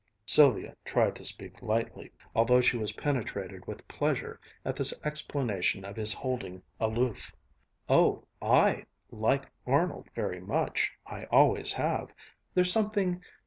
Sylvia tried to speak lightly, although she was penetrated with pleasure at this explanation of his holding aloof. "Oh, I like Arnold very much. I always have. There's something